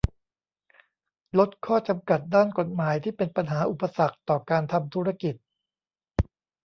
ลดข้อจำกัดด้านกฎหมายที่เป็นปัญหาอุปสรรคต่อการทำธุรกิจ